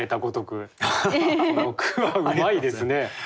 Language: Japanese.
この句はうまいですね。